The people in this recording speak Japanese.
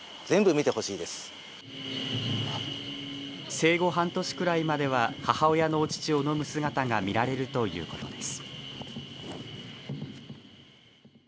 生後半年くらいまでは母親のお乳を飲む姿が見られるということです。